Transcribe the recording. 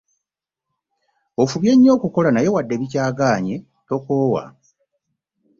Ofubye nnyo okukola naye wadde bikyagaanyi tokoowa.